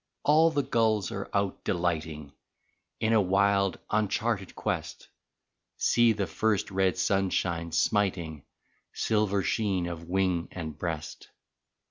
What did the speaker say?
All the gulls are out, delighting In a wild, uncharted quest — See the first red sunshine smiting Silver sheen of wing and breast!